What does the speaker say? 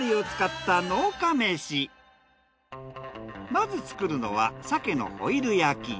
まず作るのは鮭のホイル焼き。